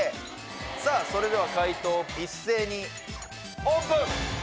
さあそれでは解答一斉にオープン！